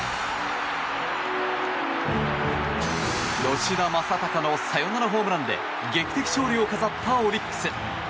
吉田正尚のサヨナラホームランで劇的勝利を飾ったオリックス。